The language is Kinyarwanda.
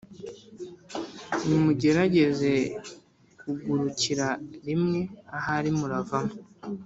nimugerageze kugurukira rimwe ahari muravamo.